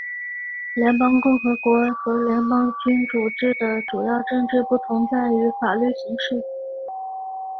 联邦共和国和联邦君主制的主要政治不同在于法律形式。